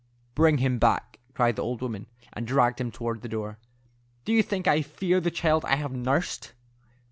"Bring him back," cried the old woman, and dragged him toward the door. "Do you think I fear the child I have nursed?"